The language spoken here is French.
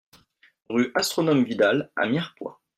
Rue Astronome Vidal à Mirepoix